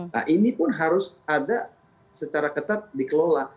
nah ini pun harus ada secara ketat dikelola